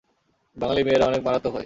বাঙালি মেয়েরা অনেক মারাত্মক হয়!